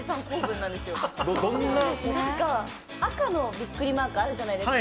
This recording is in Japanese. なんか、赤のびっくりマーク、あるじゃないですか。